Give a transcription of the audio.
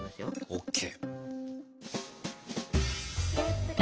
ＯＫ。